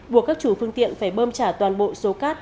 buộc các chủ phương tiện phải bơm trả toàn bộ số cát